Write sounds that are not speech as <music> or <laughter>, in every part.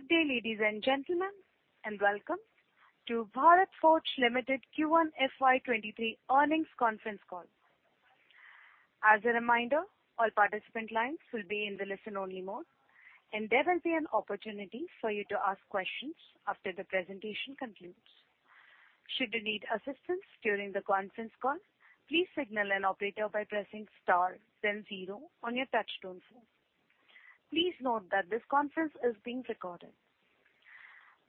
Good day, ladies and gentlemen, and welcome to Bharat Forge Limited Q1 FY 2023 earnings conference call. As a reminder, all participant lines will be in the listen-only mode, and there will be an opportunity for you to ask questions after the presentation concludes. Should you need assistance during the conference call, please signal an operator by pressing star then zero on your touchtone phone. Please note that this conference is being recorded.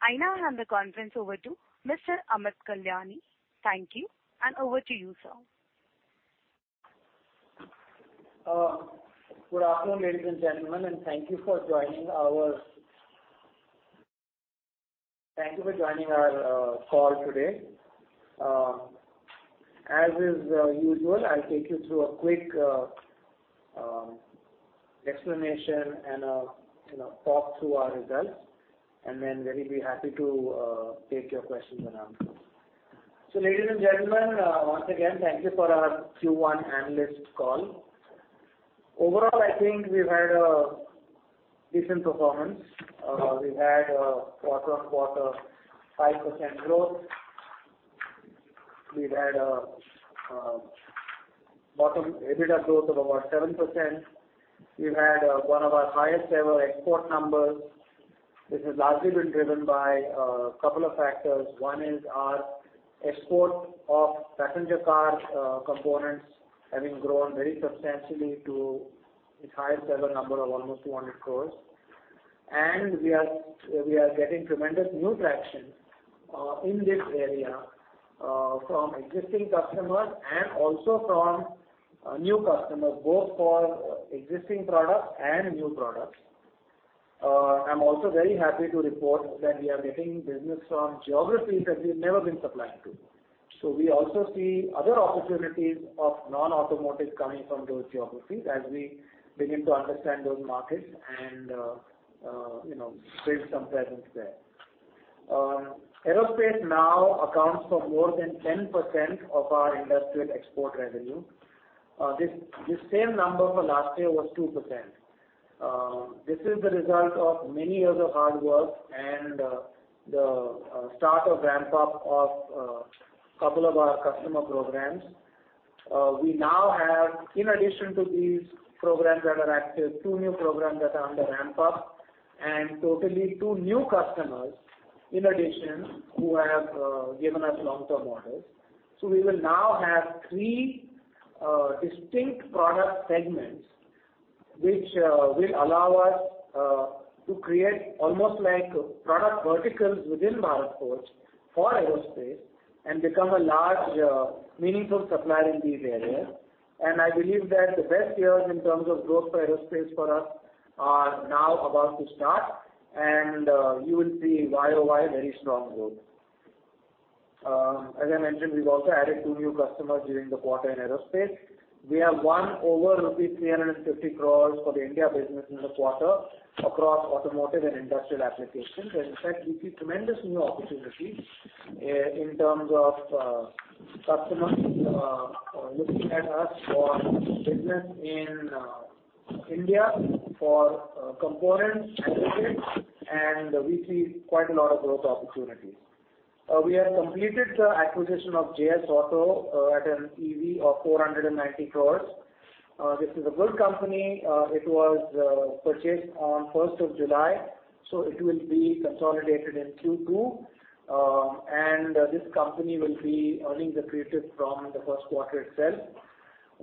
I now hand the conference over to Mr. Amit Kalyani. Thank you, and over to you, sir. Good afternoon, ladies and gentlemen, and thank you for joining our call today. As is usual, I'll take you through a quick explanation and a, you know, talk through our results, and then I'll be very happy to take your questions and answers. Ladies and gentlemen, once again, thank you for our Q1 analyst call. Overall, I think we've had a decent performance. We've had a quarter-on-quarter 5% growth. We've had a bottom EBITDA growth of about 7%. We've had one of our highest ever export numbers. This has largely been driven by a couple of factors. One is our export of passenger car components having grown very substantially to its highest ever number of almost 200 crore. We are getting tremendous new traction in this area from existing customers and also from new customers, both for existing products and new products. I'm also very happy to report that we are getting business from geographies that we've never been supplying to. We also see other opportunities of non-automotive coming from those geographies as we begin to understand those markets and you know, build some presence there. Aerospace now accounts for more than 10% of our industrial export revenue. This same number for last year was 2%. This is the result of many years of hard work and the start of ramp-up of couple of our customer programs. We now have, in addition to these programs that are active, two new programs that are under ramp-up and total two new customers in addition who have given us long-term orders. We will now have three distinct product segments which will allow us to create almost like product verticals within Bharat Forge for aerospace and become a large meaningful supplier in these areas. I believe that the best years in terms of growth for aerospace for us are now about to start and you will see year-over-year very strong growth. As I mentioned, we've also added two new customers during the quarter in aerospace. We have won over 350 crore rupees for the India business in the quarter across automotive and industrial applications. In fact, we see tremendous new opportunities in terms of customers looking at us for business in India for components and widgets, and we see quite a lot of growth opportunities. We have completed the acquisition of JS Auto Cast Foundry India Private Limited at an EV of 490 crores. This is a good company. It was purchased on July 1st, so it will be consolidated in Q2. This company will be accretive from the first quarter itself.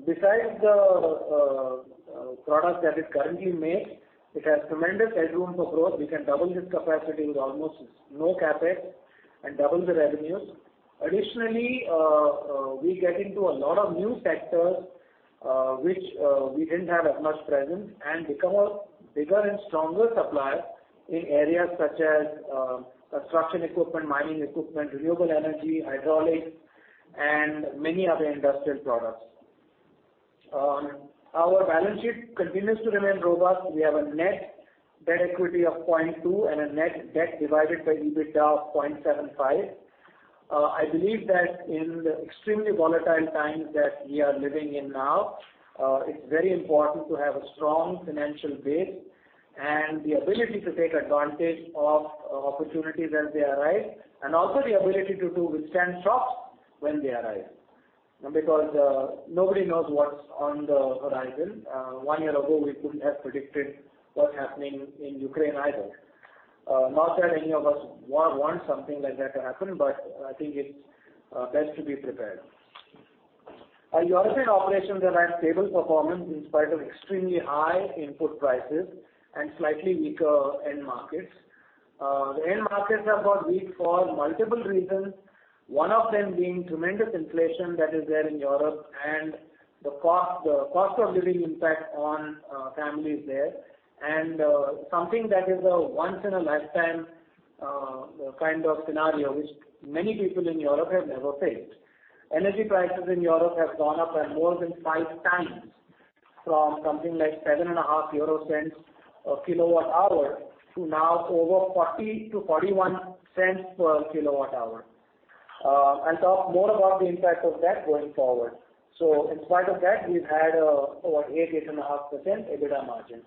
Besides the products that it currently makes, it has tremendous headroom for growth. We can double this capacity with almost no CapEx and double the revenues. Additionally, we get into a lot of new sectors, which we didn't have as much presence and become a bigger and stronger supplier in areas such as construction equipment, mining equipment, renewable energy, hydraulics and many other industrial products. Our balance sheet continues to remain robust. We have a net debt equity of 0.2 and a net debt divided by EBITDA of 0.75%. I believe that in the extremely volatile times that we are living in now, it's very important to have a strong financial base and the ability to take advantage of opportunities as they arise, and also the ability to withstand shocks when they arise. Because nobody knows what's on the horizon. One year ago, we couldn't have predicted what's happening in Ukraine either. Not that any of us want something like that to happen, but I think it's best to be prepared. Our European operations have had stable performance in spite of extremely high input prices and slightly weaker end markets. The end markets are weak for multiple reasons, one of them being tremendous inflation that is there in Europe and the cost-of-living impact on families there. Something that is a once in a lifetime kind of scenario which many people in Europe have never faced. Energy prices in Europe have gone up by more than five times from something like 0.075/kWh to now over 0.40-0.41/kWh. Talk more about the impact of that going forward. In spite of that, we've had over 8.5% EBITDA margin.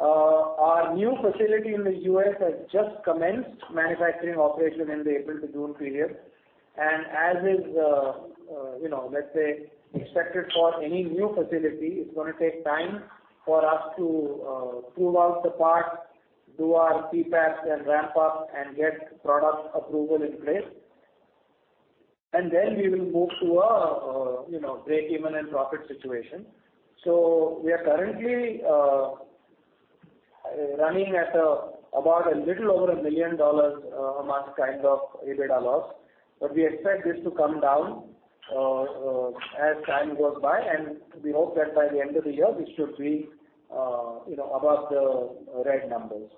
Our new facility in the U.S. has just commenced manufacturing operation in the April to June period. As is, you know, let's say, expected for any new facility, it's gonna take time for us to prove out the parts, do our PPAP and ramp up and get product approval in place. Then we will move to a, you know, breakeven and profit situation. We are currently running at about a little over $1 million a month kind of EBITDA loss. We expect this to come down as time goes by, and we hope that by the end of the year, we should be, you know, above the red numbers.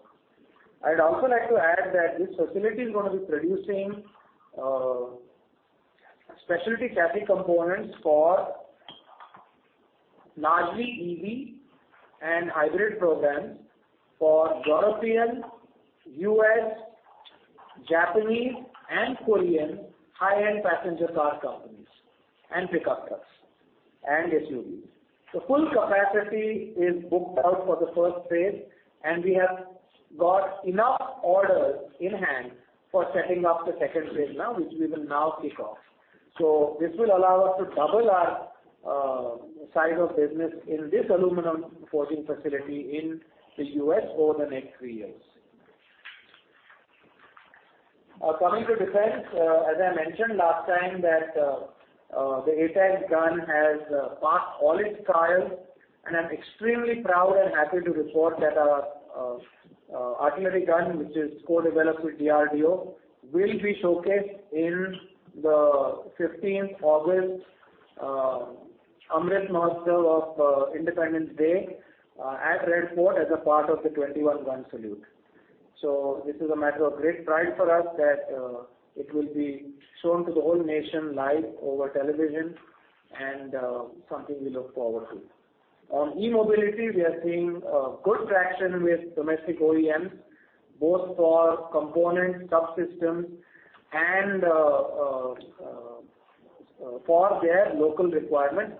I'd also like to add that this facility is gonna be producing specialty chassis components for largely EV and hybrid programs for European, U.S., Japanese and Korean high-end passenger car companies and pickup trucks and SUVs. The full capacity is booked out for the first phase, and we have got enough orders in hand for setting up the second phase now, which we will now kick off. This will allow us to double our size of business in this aluminum forging facility in the U.S. over the next three years. Coming to defense, as I mentioned last time that the ATAGS gun has passed all its trials, and I'm extremely proud and happy to report that our artillery gun, which is co-developed with DRDO, will be showcased in the August 15th Amrit Mahotsav of Independence Day at Red Fort as a part of the 21-gun salute. This is a matter of great pride for us that it will be shown to the whole nation live over television and something we look forward to. On e-mobility, we are seeing good traction with domestic OEMs, both for components, subsystems and for their local requirements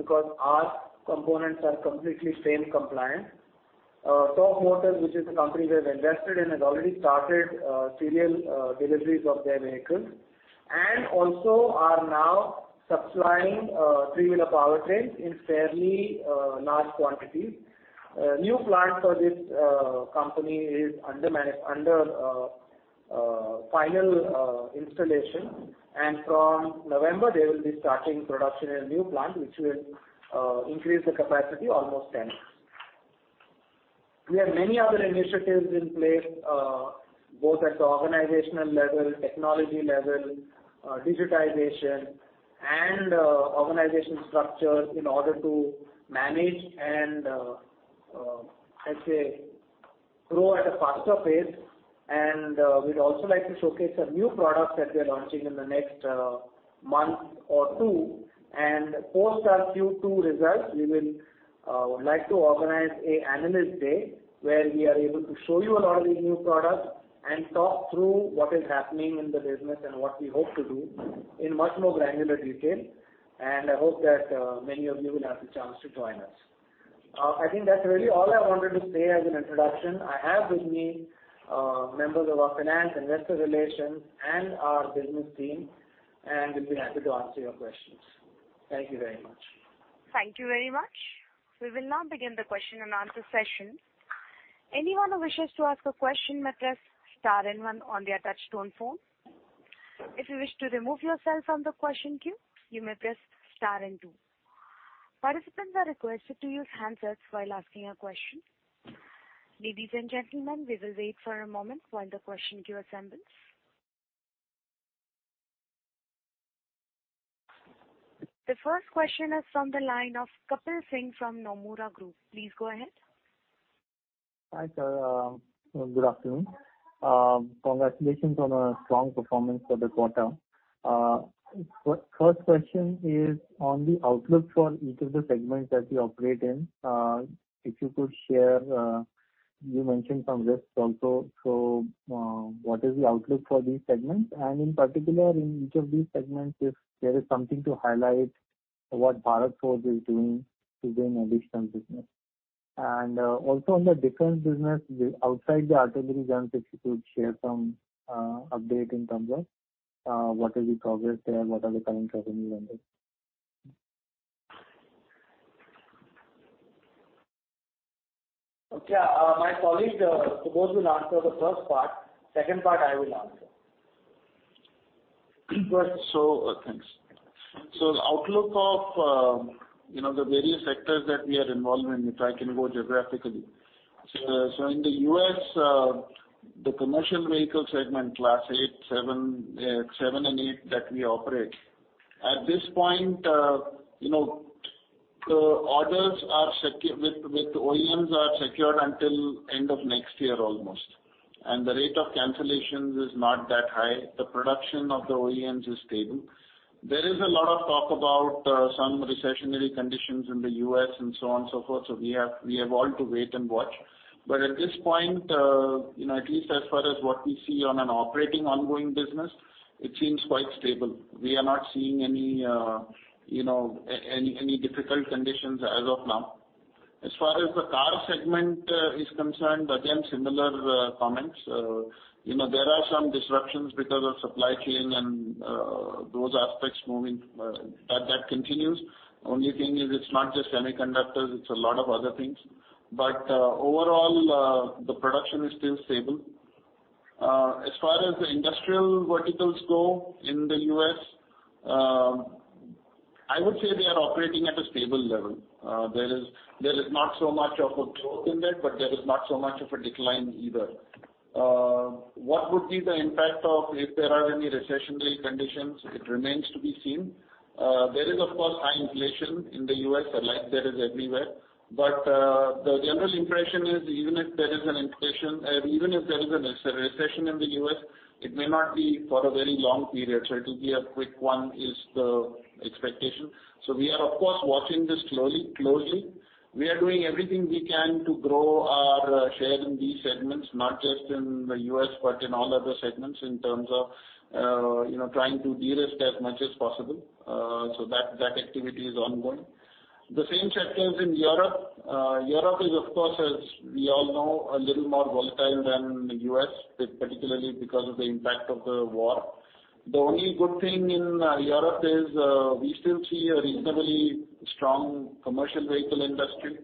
because our components are completely FAME compliant. Tork Motors, which is a company we have invested in, has already started serial deliveries of their vehicles and also are now supplying three-wheeler powertrains in fairly large quantities. New plant for this company is under final installation, and from November, they will be starting production in a new plant, which will increase the capacity almost 10. We have many other initiatives in place, both at the organizational level, technology level, digitization and organization structure in order to manage and let's say, grow at a faster pace. We'd also like to showcase some new products that we are launching in the next month or two. Post our Q2 results, we would like to organize an analyst day where we are able to show you a lot of these new products and talk through what is happening in the business and what we hope to do in much more granular detail. I hope that many of you will have the chance to join us. I think that's really all I wanted to say as an introduction. I have with me members of our finance, investor relations and our business team, and we'll be happy to answer your questions. Thank you very much. Thank you very much. We will now begin the question-and-answer session. Anyone who wishes to ask a question may press star and one on their touchtone phone. If you wish to remove yourself from the question queue, you may press star and two. Participants are requested to use handsets while asking a question. Ladies and gentlemen, we will wait for a moment while the question queue assembles. The first question is from the line of Kapil Singh from Nomura Group. Please go ahead. Hi, sir. Good afternoon. Congratulations on a strong performance for the quarter. First question is on the outlook for each of the segments that you operate in. If you could share, you mentioned some risks also. What is the outlook for these segments? In particular, in each of these segments, if there is something to highlight what Bharat Forge is doing to gain additional business. Also, on the defense business outside the artillery guns, if you could share some update in terms of what is the progress there? What are the current revenues on this? Okay. My colleague, Subodh Tandale, will answer the first part. Second part I will answer. Sure. Thanks. The outlook of, you know, the various sectors that we are involved in, if I can go geographically. In the U.S., the commercial vehicle segment, Class eight, seven and eight that we operate. At this point, you know, the orders with OEMs are secured until end of next year almost. The rate of cancellations is not that high. The production of the OEMs is stable. There is a lot of talk about some recessionary conditions in the U.S. and so on and so forth. We have got to wait and watch. At this point, you know, at least as far as what we see on an operating ongoing business, it seems quite stable. We are not seeing any, you know, any difficult conditions as of now. As far as the car segment is concerned, again, similar comments. You know, there are some disruptions because of supply chain and those aspects moving. That continues. Only thing is it's not just semiconductors, it's a lot of other things. Overall, the production is still stable. As far as the industrial verticals go in the U.S., I would say they are operating at a stable level. There is not so much of a growth in that, but there is not so much of a decline either. What would be the impact of if there are any recessionary conditions? It remains to be seen. There is of course high inflation in the U.S. like there is everywhere. The general impression is even if there is an inflation. Even if there is a recession in the U.S., it may not be for a very long period. It'll be a quick one, is the expectation. We are of course watching this closely. We are doing everything we can to grow our share in these segments, not just in the U.S., but in all other segments in terms of, you know, trying to de-risk as much as possible. That activity is ongoing. The same checklist in Europe. Europe is of course, as we all know, a little more volatile than U.S., particularly because of the impact of the war. The only good thing in Europe is we still see a reasonably strong commercial vehicle industry.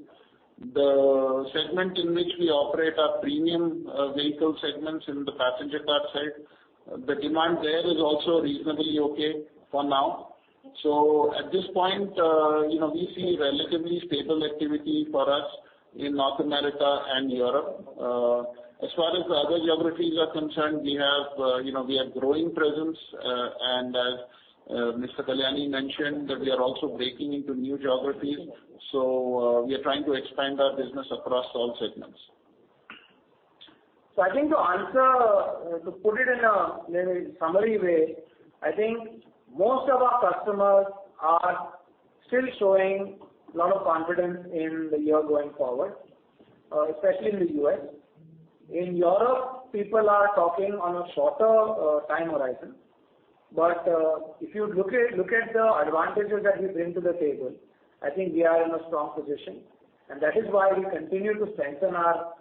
The segment in which we operate are premium vehicle segments in the passenger car side. The demand there is also reasonably okay for now. At this point, you know, we see relatively stable activity for us in North America and Europe. As far as the other geographies are concerned, you know, we have growing presence. As Mr. Kalyani mentioned that we are also breaking into new geographies. We are trying to expand our business across all segments. I think the answer, to put it in a maybe summary way, I think most of our customers are still showing a lot of confidence in the year going forward, especially in the U.S. In Europe, people are talking on a shorter time horizon. If you look at the advantages that we bring to the table, I think we are in a strong position, and that is why we continue to strengthen our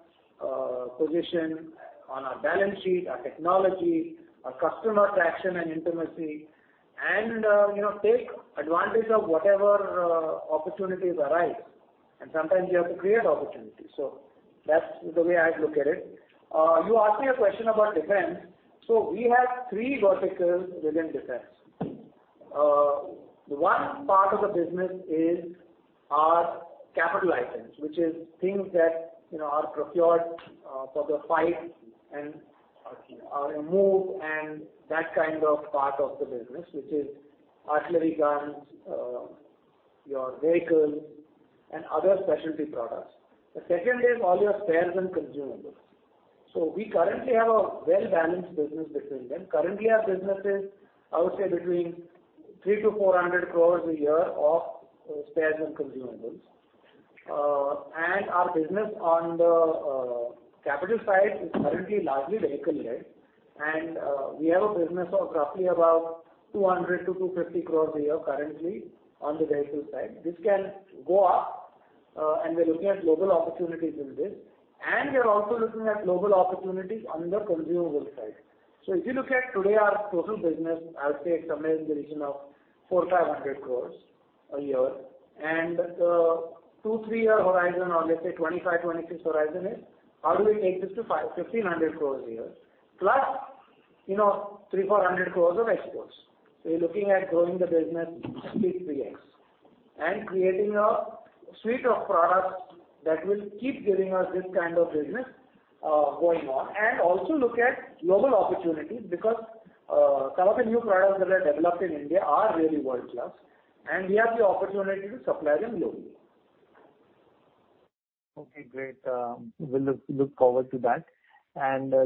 position on our balance sheet, our technology, our customer traction and intimacy, and, you know, take advantage of whatever opportunities arise. Sometimes you have to create opportunities. That's the way I'd look at it. You asked me a question about defense. We have three verticals within defense. One part of the business is our capital items, which is things that, you know, are procured for the fight and are removed and that kind of part of the business, which is artillery guns, your vehicles and other specialty products. The second is all your spares and consumables. We currently have a well-balanced business between them. Currently, our business is, I would say, 300- 400 crores a year of spares and consumables. Our business on the capital side is currently largely [vehicular]. We have a business of roughly about 200-250 crores a year currently on the vehicle side. This can go up, and we're looking at global opportunities in this, and we are also looking at global opportunities on the consumable side. If you look at today, our total business, I would say it's somewhere in the region of 400-500 crores a year. The two, three-year horizon, or let's say 2025-2026 horizon is how do we take this to 500-1,500 crores a year plus, you know, 300-400 crores of exports. You're looking at growing the business [three times] and creating a suite of products that will keep giving us this kind of business going on. Also look at global opportunities, because some of the new products that are developed in India are really world-class, and we have the opportunity to supply them globally. Okay, great. We'll look forward to that.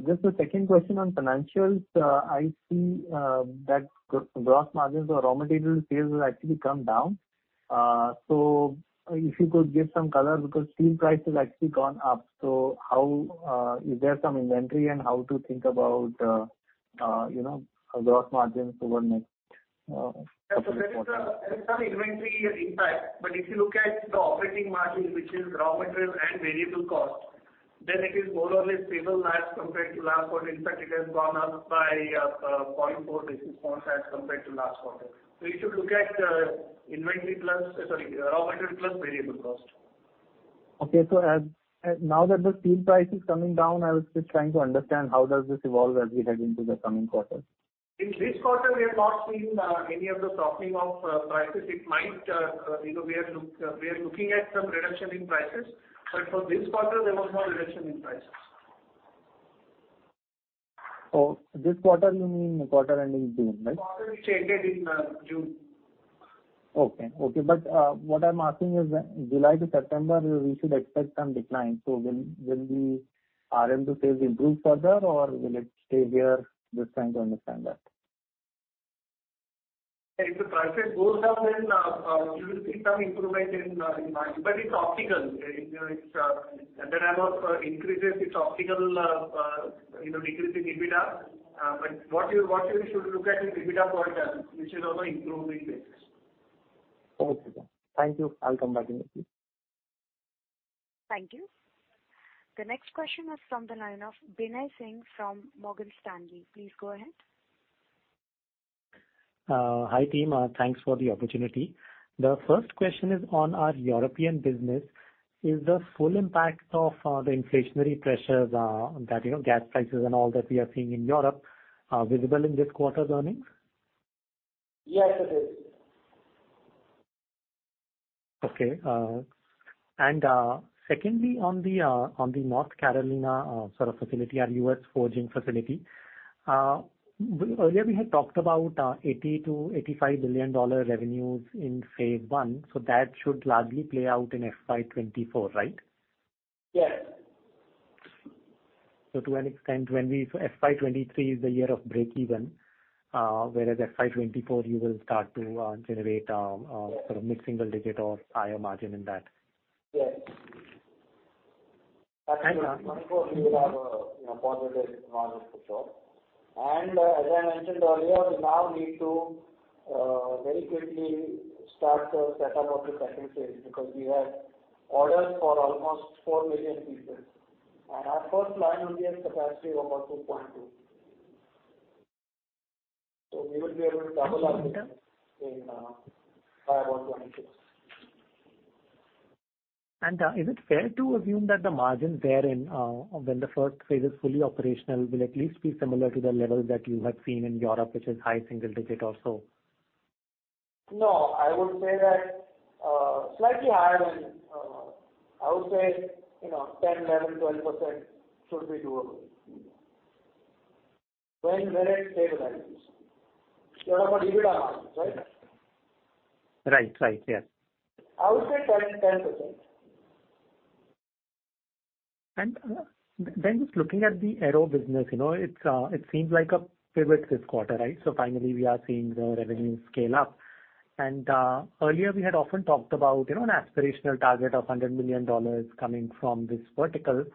Just a second question on financials. I see that gross margins or raw material sales will actually come down. If you could give some color because steel prices have actually gone up. How is there some inventory and how to think about, you know, gross margins over next couple of quarters? <crosstalk> There is some inventory impact. If you look at the operating margin, which is raw material and variable cost, then it is more or less stable as compared to last quarter. In fact, it has gone up by 0.4 basis points as compared to last quarter. You should look at inventory plus, sorry, raw material plus variable cost. Okay. Now that the steel price is coming down, I was just trying to understand how does this evolve as we head into the coming quarters? In this quarter, we have not seen any of the softening of prices. It might, you know, we are looking at some reduction in prices, but for this quarter there was no reduction in prices. Oh, this quarter you mean the quarter ending June, right? Quarter which ended in June. Okay. What I'm asking is July to September we should expect some decline, so will the RM to sales improve further or will it stay where? Just trying to understand that. If the prices goes down, then you will see some improvement in margin, but it's optical. It's an optical decrease in EBITDA. What you should look at is EBITDA for a ton, which should also improve in this. Okay. Thank you. I'll come back in a bit. Thank you. The next question is from the line of Binay Singh from Morgan Stanley. Please go ahead. Hi, team. Thanks for the opportunity. The first question is on our European business. Is the full impact of the inflationary pressures that, you know, gas prices and all that we are seeing in Europe are visible in this quarter's earnings? Yes, it is. Okay. Secondly on the North Carolina sort of facility, our U.S. forging facility. Earlier we had talked about $80 billion-$85 billion revenues in phase I, so that should largely play out in FY 2024, right? Yes. To an extent, FY 2023 is the year of break even, whereas FY 2024 you will start to generate sort of mid-single digit or higher margin in that. Yes. And, uh. <crosstalk> We will have a, you know, positive margin for sure. As I mentioned earlier, we now need to very quickly start the set-up of the second phase because we have orders for almost four million pieces. Our first line will be a capacity of about two point two. We will be able to double our business in by about 2026. Is it fair to assume that the margins therein, when the first phase is fully operational, will at least be similar to the levels that you have seen in Europe, which is high single digit or so? No, I would say that slightly higher than I would say, you know, 10%, 11%, 12% should be doable. When very stabilized. You are about EBITDA margins, right? Right. Right. Yes. I would say 10%. Then just looking at the aero business, you know, it seems like a pivot this quarter, right? Finally, we are seeing the revenues scale up. Earlier we had often talked about, you know, an aspirational target of $100 million coming from this vertical.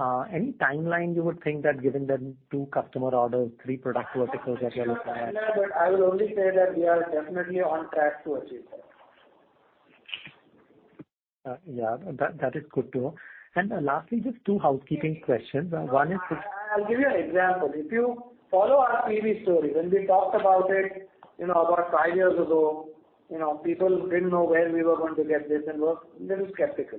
Any timeline you would think that given the two customer orders, three product verticals that you are looking at. I will not give you a timeline, but I will only say that we are definitely on track to achieve that. Yeah. That is good to know. Lastly, just two housekeeping questions. One is. I'll give you an example. If you follow our PV story, when we talked about it, you know, about five years ago, you know, people didn't know where we were going to get this and were a little skeptical.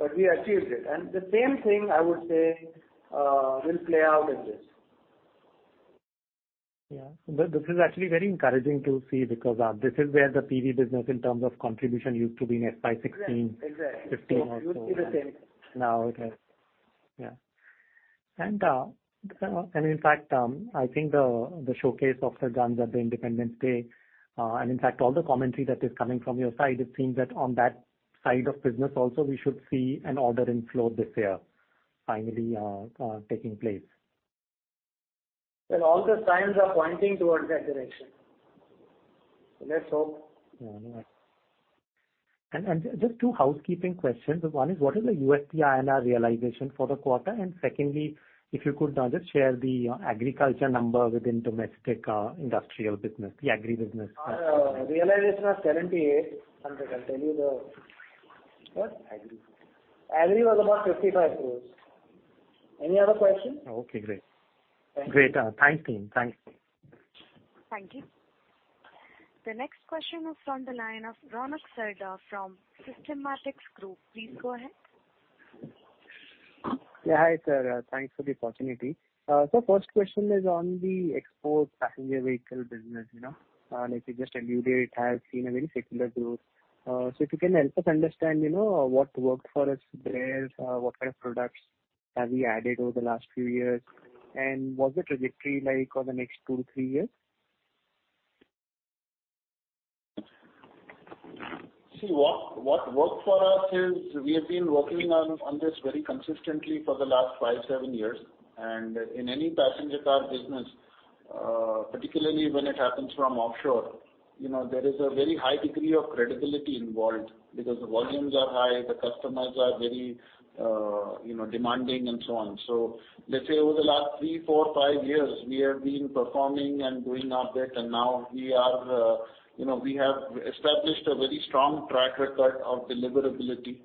We achieved it. The same thing, I would say, will play out in this. Yeah. This is actually very encouraging to see because this is where the PV business in terms of contribution used to be in FY 2016. Exactly. FY 2015 or so. You will see the same. Now it has. Yeah. In fact, I think the showcase of the guns at Independence Day, and in fact all the commentary that is coming from your side. It seems that on that side of business also we should see an order inflow this year finally, taking place. Well, all the signs are pointing towards that direction. Let's hope. Yeah. Just two housekeeping questions. One is, what is the USD INR realization for the quarter? Secondly, if you could just share the agriculture number within domestic industrial business, the agri-business. Our realization was INR 78 crore. One second, I'll tell you the. What? Agri. Agri was about 55 crore. Any other question? Okay, great. Thank you. Great. Thanks, team. Thanks. Thank you. The next question is from the line of Ronak Sarda from Systematix Group. Please go ahead. Yeah. Hi, sir. Thanks for the opportunity. First question is on the export passenger vehicle business, you know. Like you just reviewed, it has seen a very secular growth. If you can help us understand, you know, what worked for us there? What kind of products have we added over the last few years? And what's the trajectory like for the next two to three years? See, what worked for us is we have been working on this very consistently for the last five-seven years. In any passenger car business, particularly when it happens from offshore, you know, there is a very high degree of credibility involved because the volumes are high, the customers are very, you know, demanding and so on. Let's say over the last three, four, five years, we have been performing and doing our bit and now we are, you know, we have established a very strong track record of deliverability.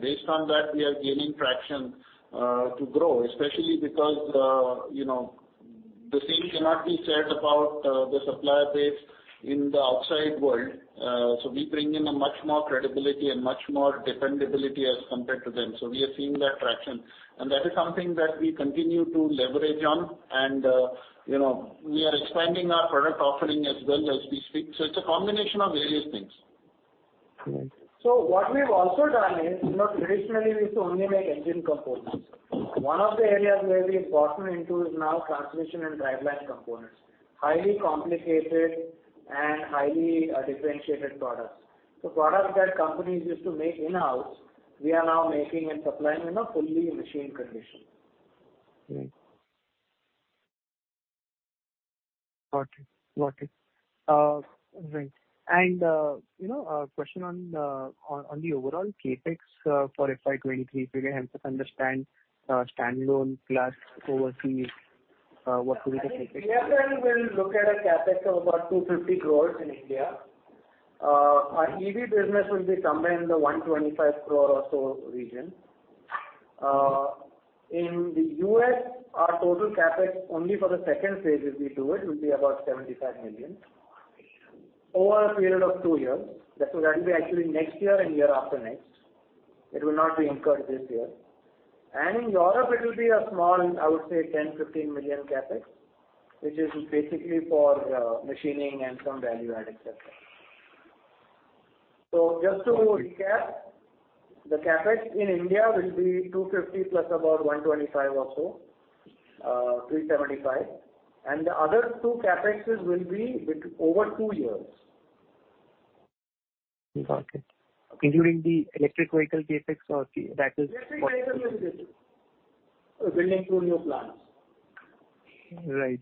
Based on that, we are gaining traction to grow, especially because, you know, the same cannot be said about the supplier base in the outside world. We bring in a much more credibility and much more dependability as compared to them. We are seeing that traction, and that is something that we continue to leverage on. You know, we are expanding our product offering as well as we speak. It's a combination of various things. What we've also done is, you know, traditionally we used to only make engine components. One of the areas where we've gotten into is now transmission and driveline components. Highly complicated and highly differentiated products. Products that companies used to make in-house, we are now making and supplying in a fully machined condition. Right. Got it. All right. You know, a question on the overall CapEx for FY 23. If you can help us understand standalone plus overseas, what will be the CapEx? I mean, EFM will look at a CapEx of about 250 crores in India. Our EV business will be somewhere in the 125 crore or so region. In the U.S., our total CapEx only for the second phase if we do it, will be about $75 million over a period of two years. That'll be actually next year and year after next. It will not be incurred this year. In Europe it will be a small, I would say, 10 million-15 million CapEx, which is basically for machining and some value adding, et cetera. Just to recap, the CapEx in India will be 250+ about 125 or so, 375. The other two CapExes will be a bit over two years. Got it. Including the electric vehicle CapEx or the that is. Electric vehicle will be built, building two new plants. Right.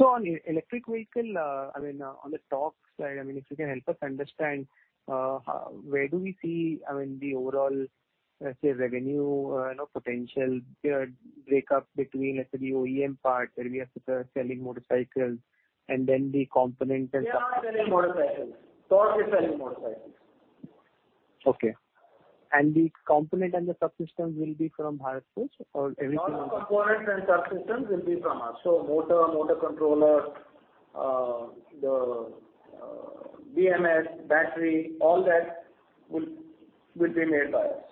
On electric vehicle, I mean, on the top side, I mean, if you can help us understand, how, where do we see, I mean, the overall, let's say, revenue, you know, potential, break up between let's say the OEM part where we are selling motorcycles and then the component and sub. <crosstalk> We are selling motorcycles. Tork is selling motorcycles. Okay. The component and the subsystems will be from Bharat Forge or everything will be. All the components and subsystems will be from us. Motor, motor controller, BMS battery, all that will be made by us.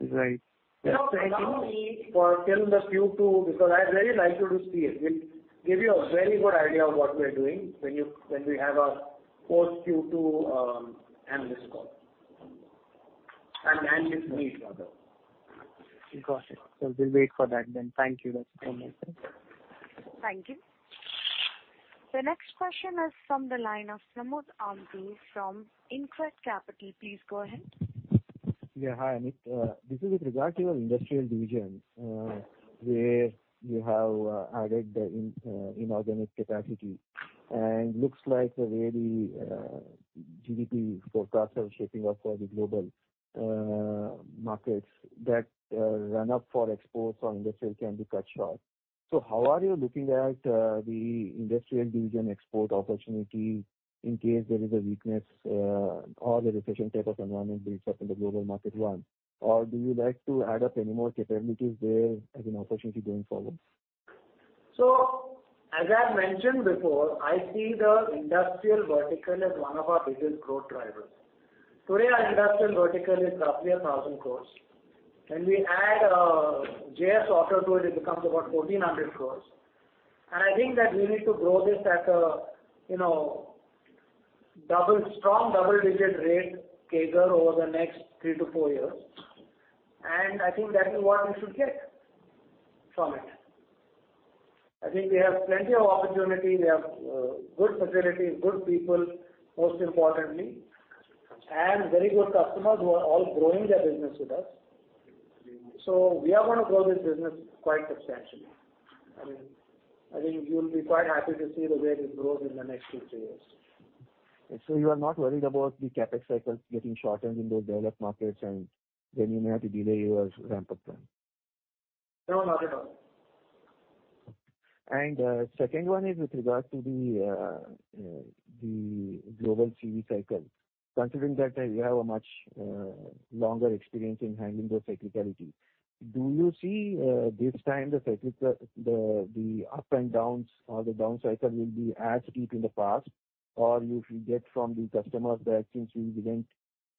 Right. You know, allow me to fill in the Q2, because I really want you to see it. We'll give you a very good idea of what we are doing when we have our post Q2 analyst call, and this meeting rather. Got it. We'll wait for that then. Thank you. That's it from my side. Thank you. The next question is from the line of Pramod Amthe from InCred Capital. Please go ahead. Yeah. Hi, Amit. This is with regard to your industrial division, where you have added the inorganic capacity and looks like the way the GDP forecasts are shaping up for the global markets that run up for exports on industrial can be cut short. How are you looking at the industrial division export opportunity in case there is a weakness or the recession type of environment builds up in the global market one? Or do you like to add up any more capabilities there as an opportunity going forward? As I've mentioned before, I see the industrial vertical as one of our biggest growth drivers. Today, our industrial vertical is roughly 1,000 crores. When we add JS Autocast to it becomes about 1,400 crores. I think that we need to grow this at a, you know, double, strong double-digit rate CAGR over the next three to four years. I think that is what we should get from it. I think we have plenty of opportunity. We have good facility, good people, most importantly, and very good customers who are all growing their business with us. We are gonna grow this business quite substantially. I mean, I think you'll be quite happy to see the way it grows in the next two-three years. You are not worried about the CapEx cycles getting shortened in those developed markets, and then you may have to delay your ramp up plan? No, not at all. Second one is with regard to the global CV cycle. Considering that you have a much longer experience in handling the cyclicality, do you see this time the up and downs or the down cycle will be as deep in the past? Or you should get from the customers the actions you didn't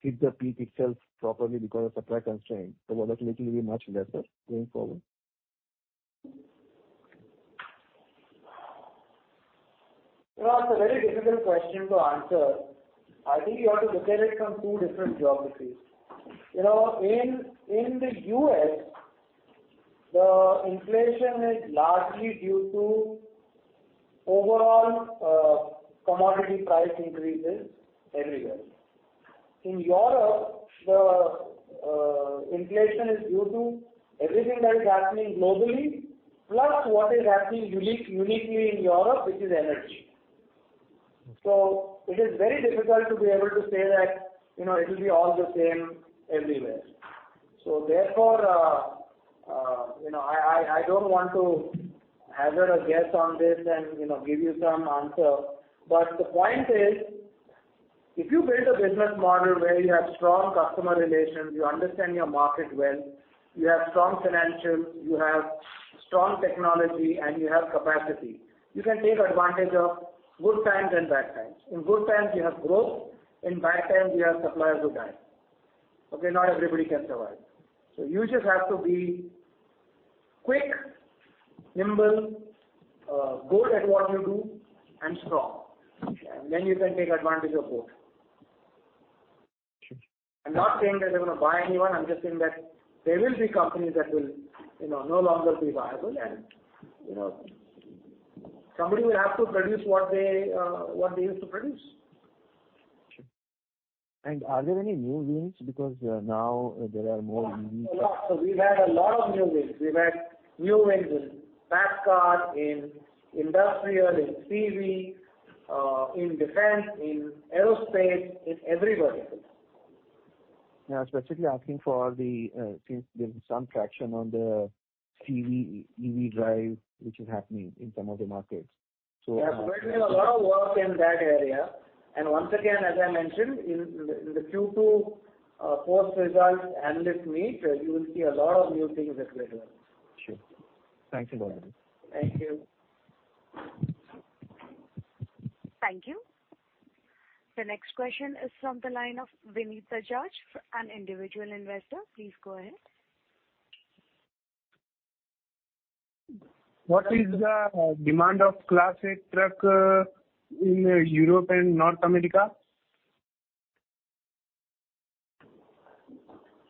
hit the peak itself properly because of supply constraint, the volatility will be much lesser going forward? You know, it's a very difficult question to answer. I think you have to look at it from two different geographies. You know, in the U.S., the inflation is largely due to overall commodity price increases everywhere. In Europe, the inflation is due to everything that is happening globally, plus what is happening uniquely in Europe, which is energy. Okay. It is very difficult to be able to say that, you know, it'll be all the same everywhere. I don't want to hazard a guess on this and, you know, give you some answer. The point is, if you build a business model where you have strong customer relations, you understand your market well, you have strong financials, you have strong technology and you have capacity, you can take advantage of good times and bad times. In good times, you have growth. In bad times, you have suppliers who die. Okay? Not everybody can survive. You just have to be quick, nimble, good at what you do and strong. You can take advantage of both. I'm not saying that they're gonna buy anyone. I'm just saying that there will be companies that will, you know, no longer be viable and, you know, somebody will have to produce what they used to produce. Sure. Are there any new wins because now there are more EV trucks? A lot. We've had a lot of new wins. We've had new wins in fast cars, in industrial, in CV, in defense, in aerospace, in everywhere. Yeah. Specifically asking since there's some traction on the CV, EV drive, which is happening in some of the markets. Yeah. There's been a lot of work in that area. Once again, as I mentioned, in the Q2 post-results analyst meet, you will see a lot of new things at play there. Sure. Thanks a lot. Thank you. Thank you. The next question is from the line of Vineet Bajaj, an individual investor. Please go ahead. What is the demand of Class 8 truck in Europe and North America?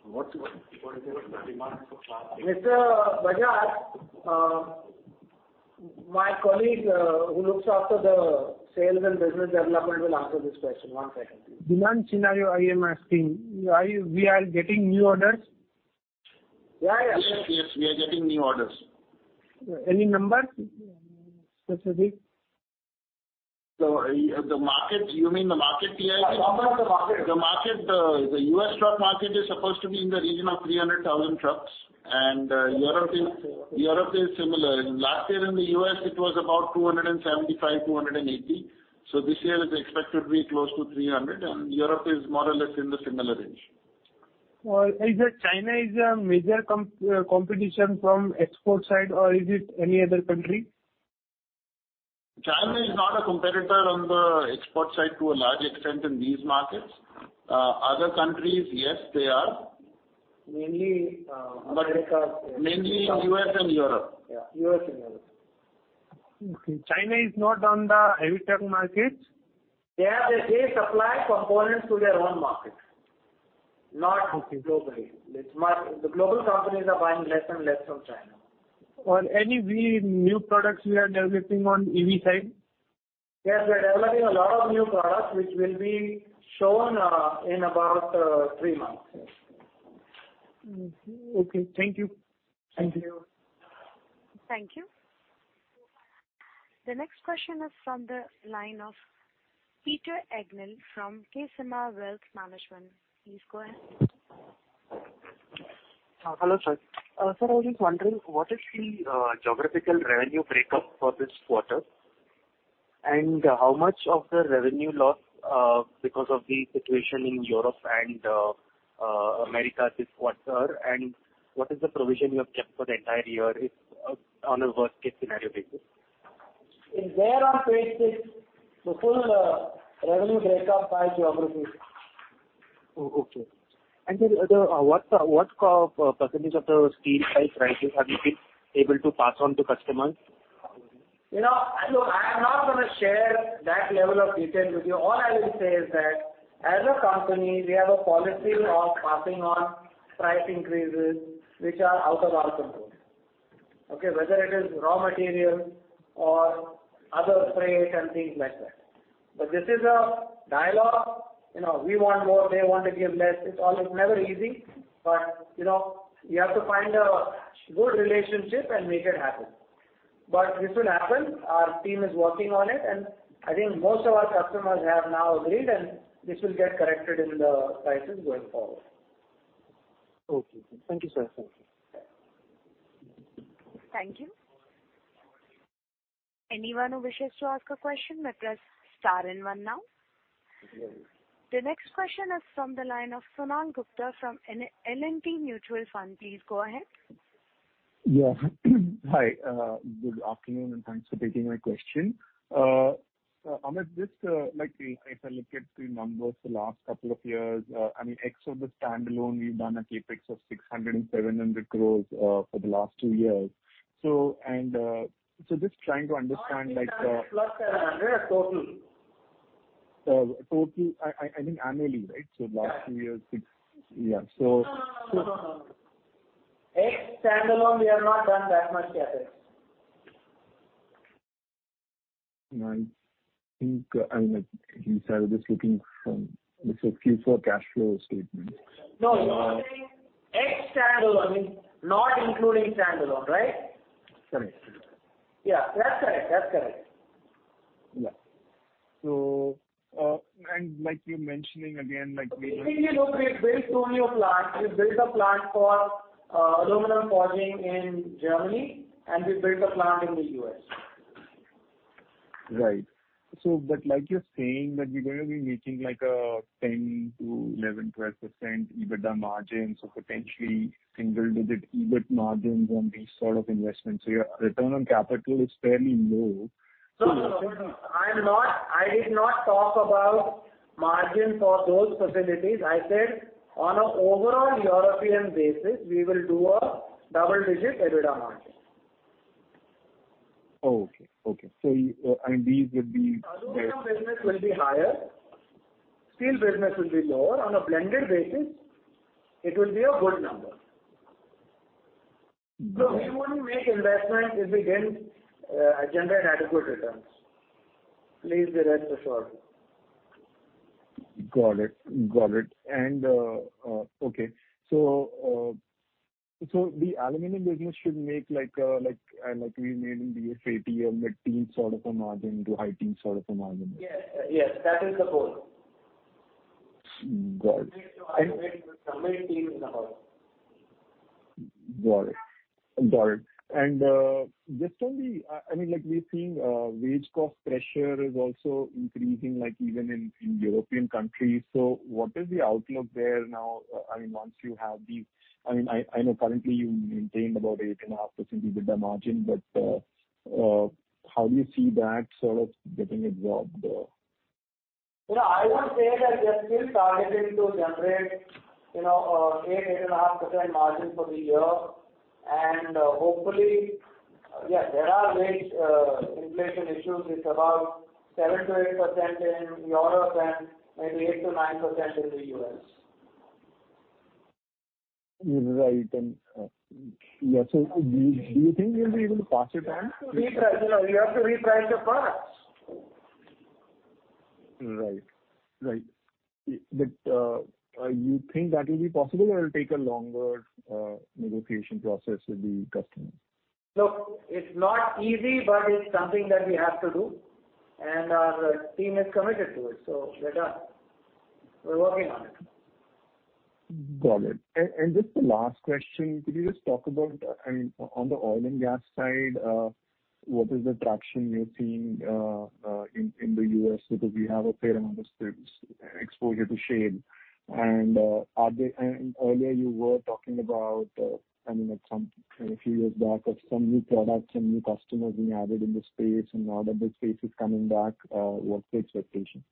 What is the demand for Class 8? Mr. Bajaj, my colleague, who looks after the sales and business development will answer this question. One second please. Demand scenario I am asking. We are getting new orders? Yeah, yeah. Yes, yes, we are getting new orders. Any numbers specific? The market, you mean the market here? Yeah. Numbers of market. The market, the U.S. truck market is supposed to be in the region of 300,000 trucks and Europe is similar. Last year in the U.S. It was about 275-280. This year is expected to be close to 300, and Europe is more or less in the similar range. Well, is it China is a major competition from export side, or is it any other country? China is not a competitor on the export side to a large extent in these markets. Other countries, yes, they are. Mainly, America. Mainly U.S. and Europe. Yeah. U.S. and Europe. China is not on the heavy truck markets? They supply components to their own market, not globally. Okay. The global companies are buying less and less from China. Any new products you are developing on EV side? Yes, we are developing a lot of new products which will be shown in about three months. Okay. Thank you. Thank you. Thank you. The next question is from the line of [Peter Agrawal] from Ksema Wealth Management. Please go ahead. Hello, sir. I was just wondering, what is the geographical revenue breakup for this quarter? How much of the revenue loss because of the situation in Europe and America this quarter? What is the provision you have kept for the entire year if on a worst-case scenario basis? It's there on page six, the full revenue breakup by geography. Oh, okay. What percentage of the steel price rises have you been able to pass on to customers? You know, look, I am not gonna share that level of detail with you. All I will say is that as a company, we have a policy of passing on price increases which are out of our control, okay? Whether it is raw material or other freight and things like that. This is a dialogue, you know, we want more, they want to give less. It's never easy. You know, you have to find a good relationship and make it happen. This will happen. Our team is working on it, and I think most of our customers have now agreed, and this will get corrected in the prices going forward. Okay. Thank you, sir. Thank you. Anyone who wishes to ask a question may press star and one now. The next question is from the line of Sonal Gupta from L&T Mutual Fund. Please go ahead. Yeah. Hi, good afternoon, and thanks for taking my question. Sir, Amit, just, like if I look at the numbers the last couple of years, I mean, ex of the standalone, you've done a CapEx of 600 crore and 700 crore for the last two years. Just trying to understand like. No, I think that [+700 total]. Total, I think annually, right? Yeah. The last two years, six. Yeah. No. Ex standalone, we have not done that much CapEx. I think, I mean, he said this looking from the Q4 cash flow statement. No, you are saying ex standalone means not including standalone, right? Correct. Yeah, that's correct. That's correct. Yeah. Like you're mentioning again, like we. <crosstalk> Basically, look, we built only a plant. We built a plant for, aluminum forging in Germany, and we built a plant in the U.S. Right. Like you're saying that you're gonna be making like a 10%-11%, 12% EBITDA margin, so potentially single-digit EBIT margins on these sort of investments. Your return on capital is fairly low. No, no. I did not talk about margins for those facilities. I said on an overall European basis, we will do a double-digit EBITDA margin. Oh, okay. You, I mean, these would be. Aluminum business will be higher, steel business will be lower. On a blended basis, it will be a good number. Okay. We wouldn't make investments if we didn't generate adequate returns. Please be rest assured. Got it. Okay. The aluminum business should make like we made in the [SATM], mid-teens sort of a margin to high-teens sort of a margin. Yes. Yes. That is the goal. Got it. Mid- to high-teens is the goal. Got it. I mean, like we're seeing wage cost pressure is also increasing, like even in European countries. What is the outlook there now? I mean, I know currently you maintained about 8.5% EBITDA margin, but how do you see that sort of getting absorbed? You know, I would say that we are still targeting to generate, you know, 8.5% margin for the year. Hopefully, yes, there are wage inflation issues. It's about 7%-8% in Europe, and maybe 8%-9% in the U.S. Right. Yeah. Do you think you'll be able to pass it on? Reprice. You know, you have to reprice the products. Right. You think that will be possible or it'll take a longer negotiation process with the customers? Look, it's not easy, but it's something that we have to do, and our team is committed to it, so let us. We're working on it. Got it. Just the last question, could you just talk about, I mean, on the oil and gas side, what is the traction you're seeing in the U.S.? Because we have a fair amount of exposure to shale. Earlier you were talking about, I mean, like some, a few years back of some new products and new customers being added in the space and now that this space is coming back, what's the expectation?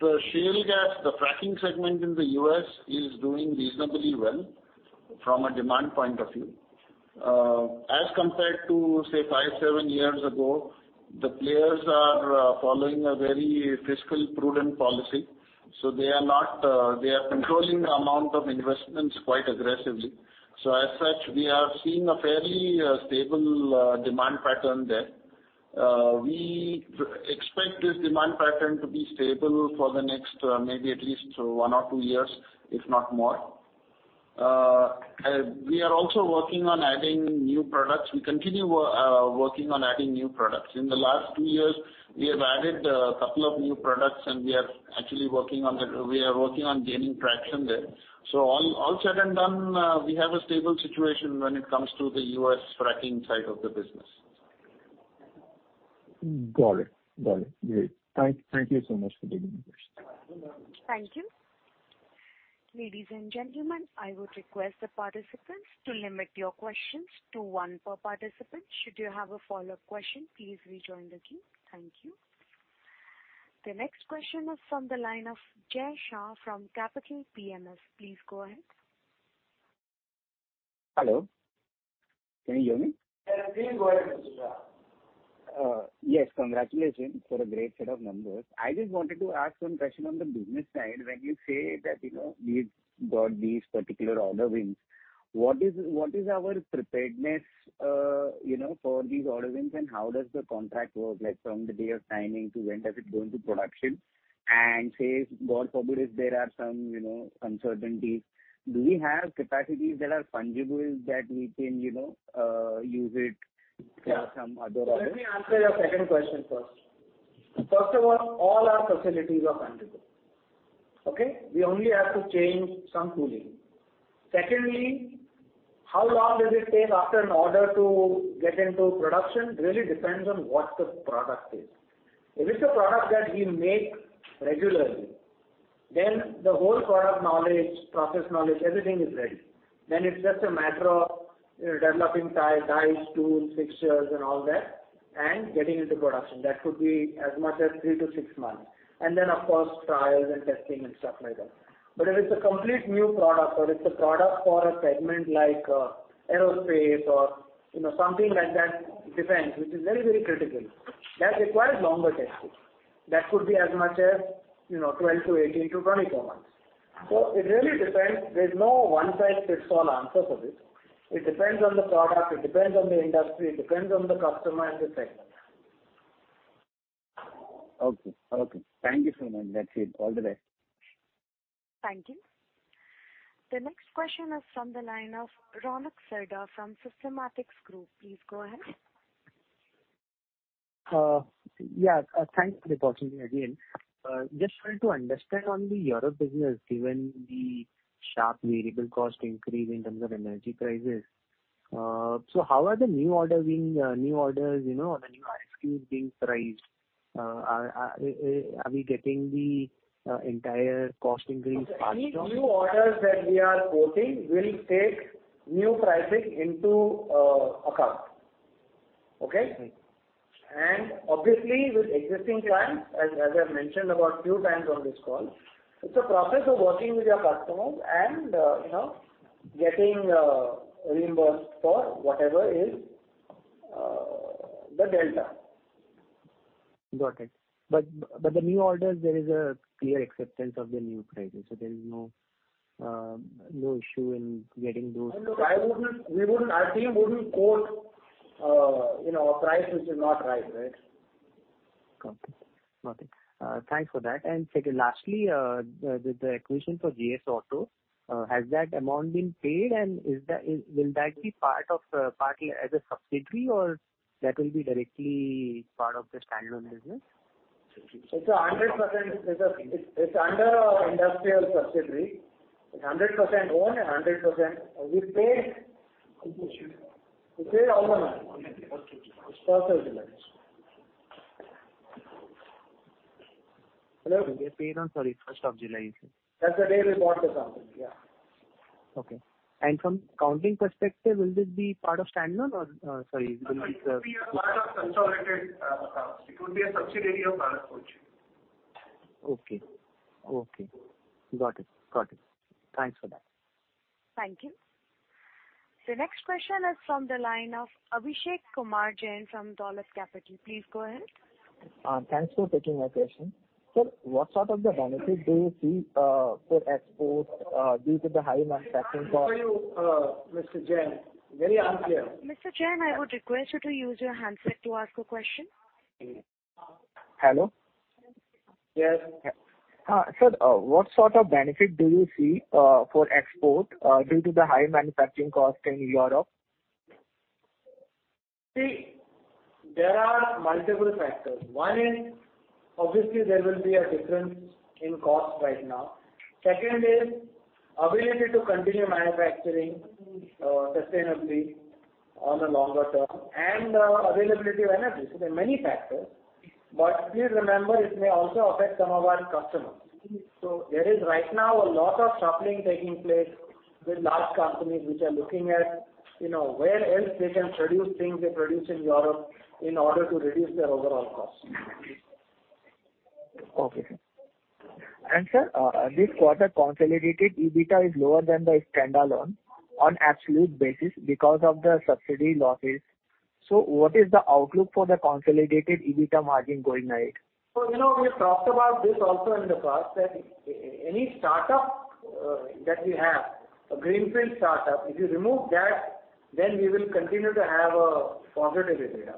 The shale gas, the fracking segment in the U.S. is doing reasonably well from a demand point of view. As compared to, say, five-seven years ago, the players are following a very fiscally prudent policy, they are controlling the amount of investments quite aggressively. As such, we have seen a fairly stable demand pattern there. We expect this demand pattern to be stable for the next, maybe at least one or two years, if not more. We are also working on adding new products. We continue working on adding new products. In the last two years, we have added a couple of new products, and we are actually working on gaining traction there. All said and done, we have a stable situation when it comes to the U.S. fracking side of the business. Got it. Great. Thank you so much for taking the questions. Thank you. Ladies and gentlemen, I would request the participants to limit your questions to one per participant. Should you have a follow-up question, please rejoin the queue. Thank you. The next question is from the line of Jay Shah from [Capital PNS] Please go ahead. Hello. Can you hear me? Yes, please go ahead, Mr. Shah. Yes. Congratulations for a great set of numbers. I just wanted to ask one question on the business side. When you say that, you know, we've got these particular order wins, what is our preparedness, you know, for these order wins? And how does the contract work, like from the day of signing to when does it go into production? And say, God forbid, if there are some, you know, uncertainties, do we have capacities that are fungible that we can, you know, use it? Yeah. For some other order? Let me answer your second question first. First of all, our facilities are fungible. Okay? We only have to change some tooling. Secondly, how long does it take after an order to get into production really depends on what the product is. If it's a product that we make regularly, then the whole product knowledge, process knowledge, everything is ready. Then it's just a matter of, you know, developing dies, tools, fixtures and all that, and getting into production. That could be as much as three to six months. Then of course, trials and testing and stuff like that. If it's a complete new product or it's a product for a segment like, aerospace or, you know, something like that, defense, which is very, very critical, that requires longer testing. That could be as much as, you know, 12-18-24 months. It really depends. There's no one-size-fits-all answer for this. It depends on the product, it depends on the industry, it depends on the customer and the segment. Okay. Thank you so much. That's it. All the best. Thank you. The next question is from the line of Ronak Sarda from Systematix Group. Please go ahead. Yeah. Thank you for the opportunity again. Just want to understand on the Europe business, given the sharp variable cost increase in terms of energy prices, so how are the new orders, you know, or the new RFQs being priced? Are we getting the entire cost increase passed on? Any new orders that we are quoting will take new pricing into account. Okay? Mm-hmm. Obviously, with existing clients, as I've mentioned a few times on this call, it's a process of working with your customers and, you know, getting reimbursed for whatever is the delta. Got it. The new orders, there is a clear acceptance of the new prices, so there is no issue in getting those. No, look, our team wouldn't quote, you know, a price which is not right. Right? Copy. Got it. Thanks for that. Second, lastly, the acquisition for JS Autocast, has that amount been paid, and will that be part of as a subsidiary or will that be directly part of the standalone business? It's 100%. It's under our industrial subsidiary. It's 100% owned and 100%. We paid all the money. It's first of July. Hello? We paid on, sorry, first of July, you said. That's the day we bought the company, yeah. Okay. From accounting perspective, will this be part of standalone or, sorry, will this It will be a part of consolidated accounts. It will be a subsidiary of Bharat Forge. Okay. Got it. Thanks for that. Thank you. The next question is from the line of Abhishek Jain from Dolat Capital. Please go ahead. Thanks for taking my question. Sir, what sort of the benefit do you see for export due to the high manufacturing cost? I don't hear you, Mr. Jain. Very unclear. Mr. Jain, I would request you to use your handset to ask a question. Hello? Yes. Sir, what sort of benefit do you see for export due to the high manufacturing cost in Europe? See, there are multiple factors. One is, obviously there will be a difference in cost right now. Second is ability to continue manufacturing, sustainably on a longer term, and, availability of energy. There are many factors. Please remember, it may also affect some of our customers. There is right now a lot of shuffling taking place with large companies which are looking at, you know, where else they can produce things they produce in Europe in order to reduce their overall costs. Sir, this quarter consolidated EBITDA is lower than the standalone on absolute basis because of the subsidy losses. What is the outlook for the consolidated EBITDA margin going ahead? You know, we have talked about this also in the past, that any start-up that we have, a greenfield start-up, if you remove that, then we will continue to have a positive EBITDA.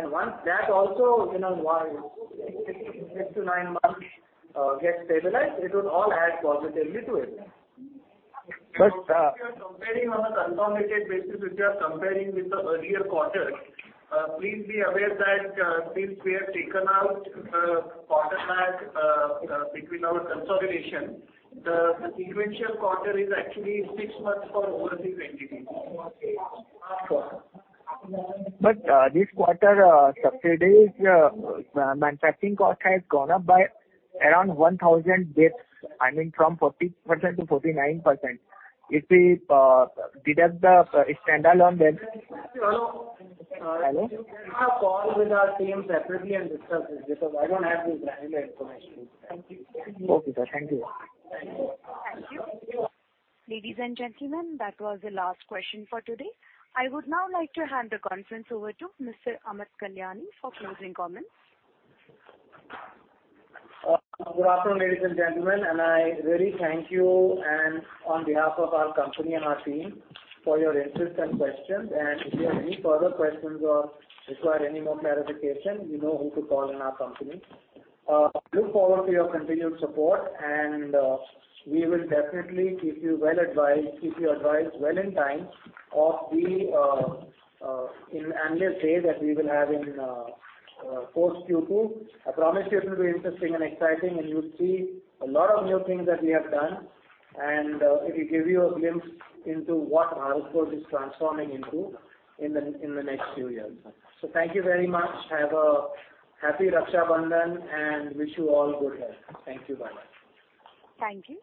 Once that also, you know, next nine months gets stabilized, it will all add positively to EBITDA. But, uh. <crosstalk> If you are comparing on a consolidated basis, if you are comparing with the earlier quarter, please be aware that, since we have taken out [quarter] between our consolidation, the sequential quarter is actually six months for overseas entities. Sure. This quarter, subsidies, manufacturing cost has gone up by around 1,000 basis points, I mean from 40%-49%. If we deduct the standalone, then. <audio distortion> Hello? Hello? You can have a call with our team separately and discuss this because I don't have the granular information with me. Okay, sir. Thank you. Thank you. Thank you. Ladies and gentlemen, that was the last question for today. I would now like to hand the conference over to Mr. Amit Kalyani for closing comments. Good afternoon, ladies and gentlemen, and I really thank you and on behalf of our company and our team for your interest and questions. If you have any further questions or require any more clarification, you know who to call in our company. Look forward to your continued support, and we will definitely keep you advised well in time for the Annual Day that we will have in post Q2. I promise you it'll be interesting and exciting, and you'll see a lot of new things that we have done, and it'll give you a glimpse into what Bharat Forge is transforming into in the next few years. Thank you very much. Have a happy Raksha Bandhan and wish you all good health. Thank you. Bye-bye. Thank you.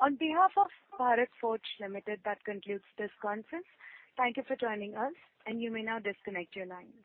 On behalf of Bharat Forge Limited, that concludes this conference. Thank you for joining us, and you may now disconnect your lines.